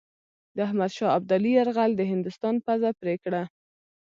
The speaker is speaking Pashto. د احمدشاه ابدالي یرغل د هندوستان پزه پرې کړه.